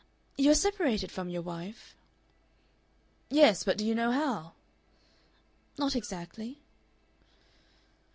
"You are separated from your wife?" "Yes, but do you know how?" "Not exactly."